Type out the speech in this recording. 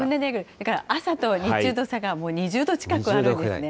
だから、朝と日中の差がもう２０度近くあるんですね。